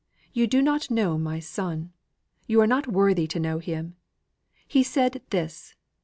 You do not know my son. You are not worthy to know him. He said this.